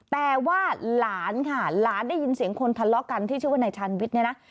แต่ว่าหลานค่ะหลานได้ยินเสียงคนทะเลาะกันที่ชื่อว่านายชาญวิทย์เนี่ยนะ